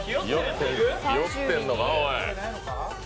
ひよってんのか、おい？